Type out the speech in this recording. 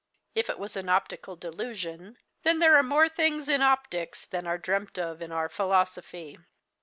If it was an optical delusion, then there are more things in optics than are dreamt of in our philosophy.